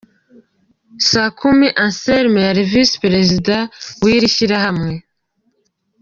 Sakumi Anselme yari Visi Perezida w’iri Shyirahamwe.